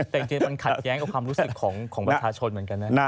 แต่จริงมันขัดแย้งกับความรู้สึกของประชาชนเหมือนกันนะ